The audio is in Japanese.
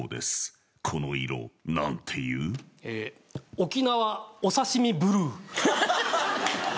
沖縄お刺身ブルー。